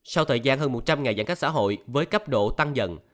sau thời gian hơn một trăm linh ngày giãn cách xã hội với cấp độ tăng dần